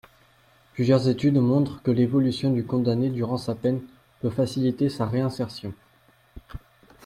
Plusieurs études montrent que l’évolution du condamné durant sa peine peut faciliter sa réinsertion.